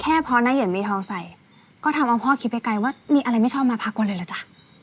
แค่เพราะนะเยินมีท้องใสก็ทำเอาพ่อคิดไปไกลว่ามีอะไรไม่ชอบมาพากวนเลยเหรอจ้ะ